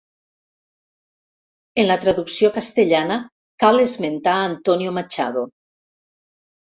En la traducció castellana cal esmentar Antonio Machado.